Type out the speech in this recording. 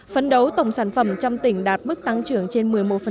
phấn đấu tổng sản phẩm trong tỉnh đạt mức tăng trưởng trên một mươi một